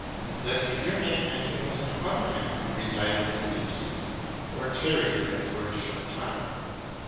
Let me here make mention of some other men who resided in Leipzig, or tarried there for a short time.